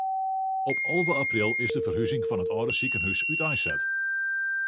Op alve april is de ferhuzing fan it âlde sikehús úteinset.